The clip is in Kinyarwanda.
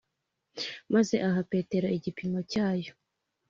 maze aha petero igipimo cyayo!